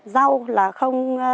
rau là không